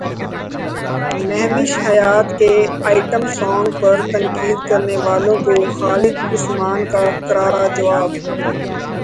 مہوش حیات کے item song پر تنقید کرنے والوں کو خالد عثمان کا کرارا جواب